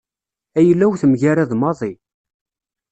Ayla-w temgarad maḍi.